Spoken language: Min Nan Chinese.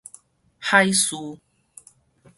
海曙